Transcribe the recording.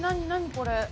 これ。